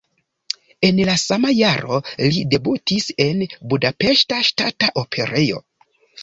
En la sama jaro li debutis en Budapeŝta Ŝtata Operejo.